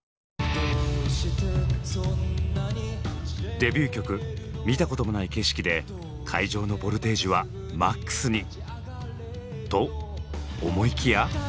デビュー曲「見たこともない景色」で会場のボルテージはマックスに。と思いきや。